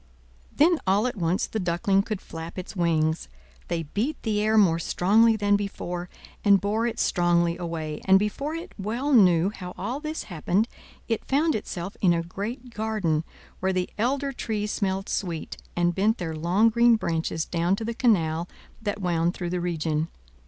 Then all at once the Duckling could flap its wings: they beat the air more strongly than before, and bore it strongly away; and before it well knew how all this happened, it found itself in a great garden, where the elder trees smelled sweet, and bent their long green branches down to the canal that wound through the region.